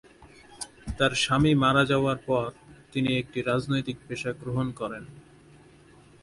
তার স্বামী মারা যাওয়ার পর, তিনি একটি রাজনৈতিক পেশা গ্রহণ করেন।